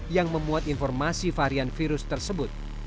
yang memuat informasi varian virus tersebut